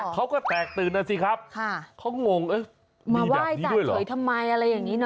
เขาก็แตกตื่นนะสิครับเขางงมาไหว้จ่าเฉยทำไมอะไรอย่างนี้นะ